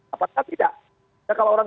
apakah tidak ya kalau orang